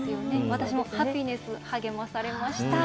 私もハピネス、励まされました。